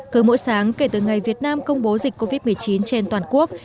cứ mỗi sáng kể từ ngày việt nam công bố dịch covid một mươi chín trên toàn quốc